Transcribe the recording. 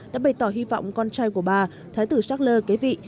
đã bày tỏ hy vọng con trai của bà thái tử shackler kế vị